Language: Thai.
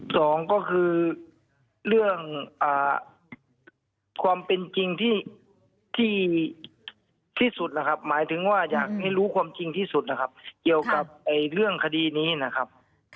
สองก็คือเรื่องความเป็นจริงที่สุดนะครับหมายถึงว่าอยากให้รู้ความจริงที่สุดนะครับเกี่ยวกับเรื่องคดีนี้นะครับ